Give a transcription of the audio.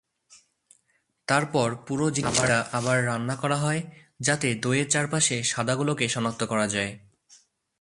তারপর পুরো জিনিসটা আবার রান্না করা হয়, যাতে দইয়ের চারপাশে সাদাগুলোকে শক্ত করা যায়।